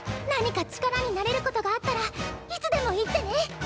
何か力になれることがあったらいつでも言ってね！